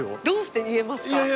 どうして言えますか？